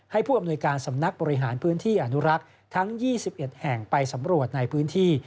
ผู้อำนวยการสำนักบริหารพื้นที่อนุรักษ์ทั้ง๒๑แห่งไปสำรวจในพื้นที่